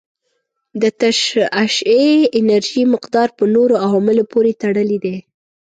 د تشعشعي انرژي مقدار په نورو عواملو پورې تړلی دی.